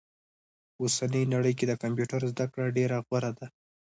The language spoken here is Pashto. په اوسني نړئ کي د کمپيوټر زده کړه ډيره غوره ده